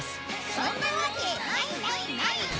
そんなわけないないない！